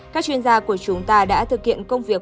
các chuyên gia của chúng ta đã thực hiện công việc